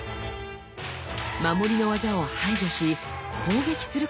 守りの技を排除し攻撃することに特化。